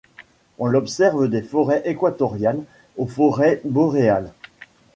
On l'observe des forêts équatoriales aux forêts boréales.